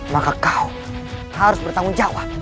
maka kau harus bertanggung jawab